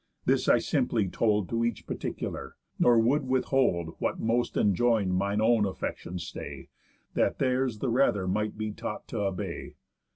This I simply told To each particular, nor would withhold What most enjoin'd mine own affection's stay, That theirs the rather might be taught t' obey.